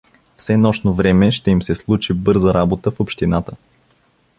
Все нощно време ще им се случи бърза работа в общината.